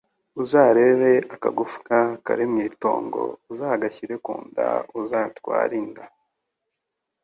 uzarebe akagufa kari mu itongo uzagashyire ku nda uzatware inda